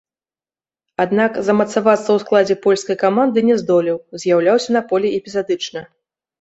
Аднак, замацавацца ў складзе польскай каманды не здолеў, з'яўляўся на полі эпізадычна.